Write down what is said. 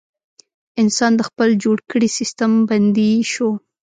انسان د خپل جوړ کړي سیستم بندي شو.